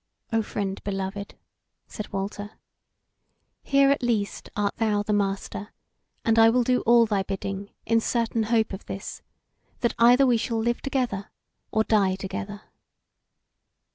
"O friend beloved," said Walter, "here at least art thou the master, and I will do all thy bidding, in certain hope of this, that either we shall live together or die together."